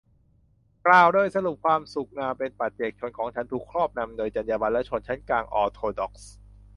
กล่าวโดยสรุปความสุขความเป็นปัจเจกชนของฉันถูกครอบงำโดยจรรยาบรรณชนชั้นกลางออร์โธดอกซ์